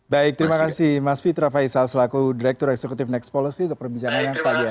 baik terima kasih mas fitra faisal selaku direktur eksekutif next policy untuk perbincangannya pagi hari ini